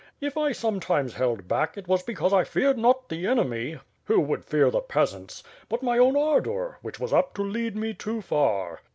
If I sometimes held back it was because I feared not the enemy, who would fear the peasants! — ^but my own ardor, which was apt to lead me too far."